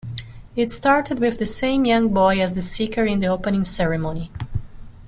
It started with the same young boy as the "Seeker" in the opening ceremony.